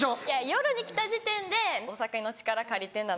夜に来た時点でお酒の力借りてんだな